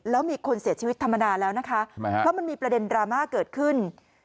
แล้วมีคนเสียชีวิตธรรมดาแล้วนะคะเพราะมันมีประเด็นดราม่าเกิดขึ้น